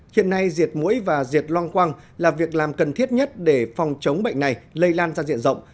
hiện nay diệt mũi và diệt loang quang là việc làm cần thiết nhất để phòng chống bệnh này lây lan ra diện rộng